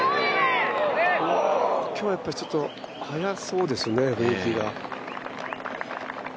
今日やっぱちょっと速そうですね。